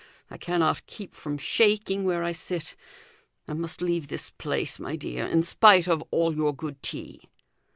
I cannot keep from shaking where I sit. I must leave this place, my dear, in spite of all your good tea."